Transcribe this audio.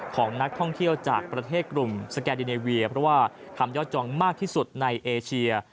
ของนักท่องเที่ยวจากประเทศกลุ่มสแกดิเนเวียเพราะว่าทำยอดจองมากที่สุดในเอเชีย